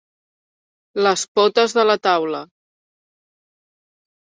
Les potes de la taula.